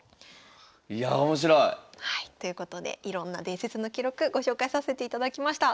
いや面白い！ということでいろんな伝説の記録ご紹介させていただきました。